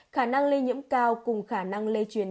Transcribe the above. khả năng lây nhiễm cao cùng khả năng lây truyền